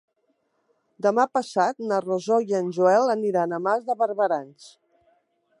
Demà passat na Rosó i en Joel aniran a Mas de Barberans.